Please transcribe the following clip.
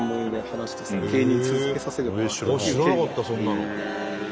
知らなかったそんなの。